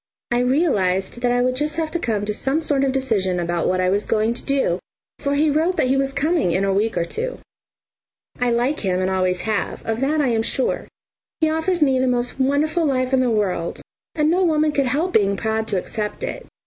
I realised that I would just have to come to some sort of decision about what I was going to do, for he wrote that he was coming in a week or two. I like him and always have, of that I am sure. He offers me the most wonderful life in the world, and no woman could help being proud to accept it.